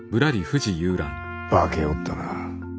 化けおったな。